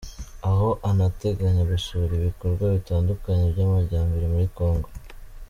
Aho anateganya gusura ibikorwa bitandukanye by’amajyambere muri Congo.